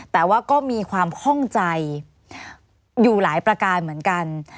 แต่ว่าก็มีความข้องใจอยู่หลายประการเหมือนกัน